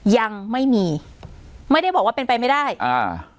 ยังไม่มีไม่ได้บอกว่าเป็นไปไม่ได้อ่า